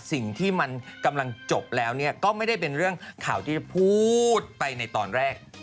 สิ่งที่มันกำลังจบแล้วก็ไม่ได้เป็นเรื่องข่าวที่จะพูดไปในตอนแรก